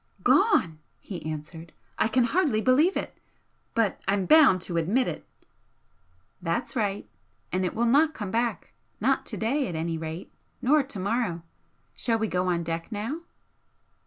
"Gone!" he answered "I can hardly believe it but I'm bound to admit it!" "That's right! And it will not come back not to day, at any rate, nor to morrow. Shall we go on deck now?"